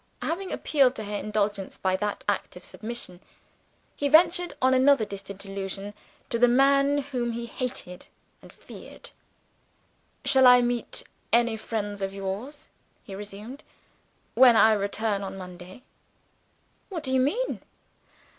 Having appealed to her indulgence by that act of submission, he ventured on another distant allusion to the man whom he hated and feared. "Shall I meet any friends of yours," he resumed, "when I return on Monday?" "What do you mean?"